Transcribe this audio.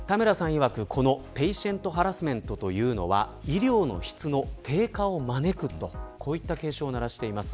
いわくペイシェントハラスメントというのは医療の質の低下を招くとこういった警鐘を鳴らしています。